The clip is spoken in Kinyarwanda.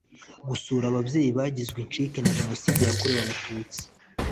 Gusura ababyeyi bagizwe incike na Jenoside yakorewe Abatutsi